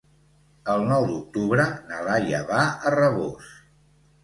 El nou d'octubre na Laia va a Rabós.